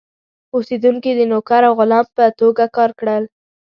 اوسېدونکي د نوکر او غلام په توګه کار کړل.